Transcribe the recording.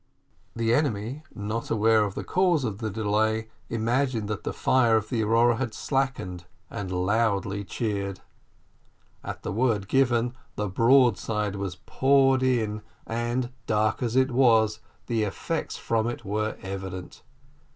The enemy, not aware of the cause of the delay, imagined that the fire of the Aurora had slackened, and loudly cheered. At the word given the broadside was poured in, and, dark as it was, the effects from it were evident.